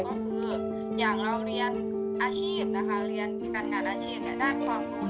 ก็คืออย่างเราเรียนอาชีพนะคะเรียนการงานอาชีพด้านความ